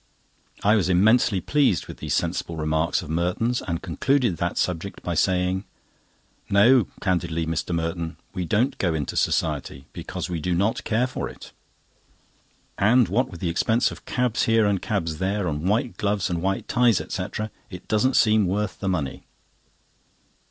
I was immensely pleased with these sensible remarks of Merton's, and concluded that subject by saying: "No, candidly, Mr. Merton, we don't go into Society, because we do not care for it; and what with the expense of cabs here and cabs there, and white gloves and white ties, etc., it doesn't seem worth the money."